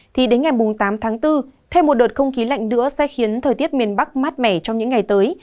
thì đến ngày tám tháng bốn thêm một đợt không khí lạnh nữa sẽ khiến thời tiết miền bắc mát mẻ trong những ngày tới